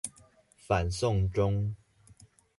反送中